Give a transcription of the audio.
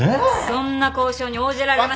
そんな交渉に応じられません。